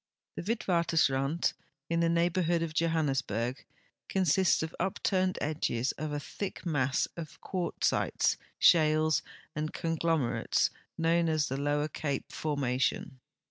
The Witwatersraud, in the neighborhood of Johannesburg, consists of ui)turned edges of a thick mass of (piartzites, shales, and conglomerates, known as the Lower Cape formation.